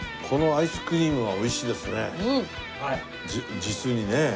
このアイスクリームは美味しいですね。